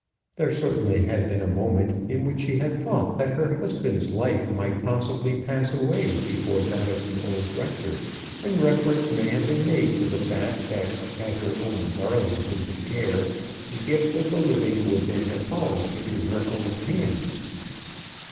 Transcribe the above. There certainly had been a moment in which she had thought that her husband's life might possibly pass away before that of the old rector; and reference may have been made to the fact that had her own darling been the heir, the gift of the living would then have fallen into her own hands.